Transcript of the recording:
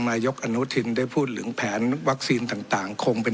นายกอนุทินได้พูดถึงแผนวัคซีนต่างคงเป็น